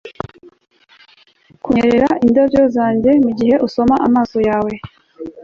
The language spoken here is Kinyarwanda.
Kunyerera indabyo zanjye mugihe usoma amaso yawe